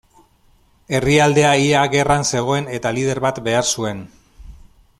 Herrialdea ia gerran zegoen eta lider bat behar zuen.